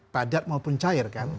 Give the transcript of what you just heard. padat maupun cair kan